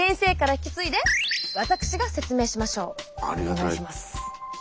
お願いします。